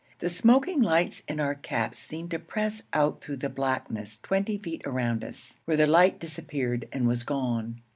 The smoking lights in our caps seemed to press out through the blackness twenty feet around us, where the light disappeared and was gone.